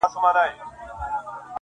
دا څه ليونى دی بيـا يـې وويـل